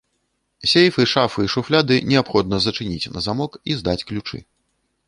Сейфы, шафы і шуфляды неабходна зачыніць на замок і здаць ключы.